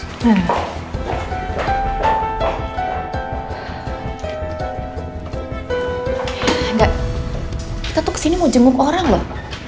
kita tuh kesini mau jenguk orang loh